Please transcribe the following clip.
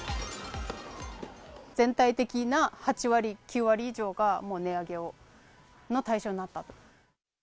全体的な８割９割以上が、もう値上げの対象になったと。